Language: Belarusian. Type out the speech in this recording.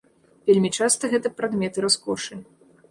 Вельмі часта гэта прадметы раскошы.